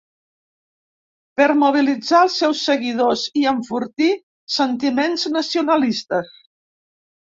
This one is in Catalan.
Per mobilitzar els seus seguidors i enfortir sentiments nacionalistes.